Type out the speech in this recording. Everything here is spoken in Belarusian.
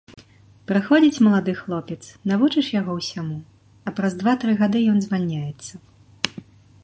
Прыходзіць малады хлопец, навучыш яго ўсяму, а праз два-тры гады ён звальняецца.